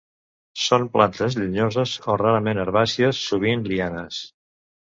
Són plantes llenyoses o rarament herbàcies, sovint lianes.